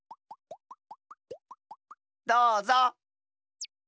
どうぞ。